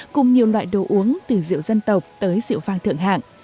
cùng nhiều loại đồ uống từ rượu dân tộc tới rượu vang thượng hạng